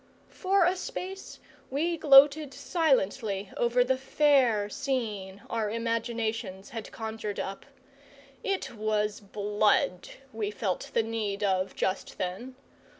For a space we gloated silently over the fair scene our imaginations had conjured up. It was BLOOD we felt the need of just then.